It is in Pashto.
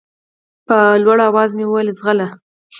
په لوړ اواز مې وويل ځغله.